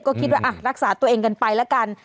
ก็คิดว่ารักษาตัวเองกันไปแล้วกัน